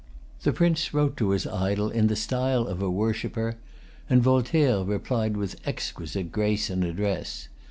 The Prince wrote to his idol in the style of a worshipper; and Voltaire replied with exquisite grace and address.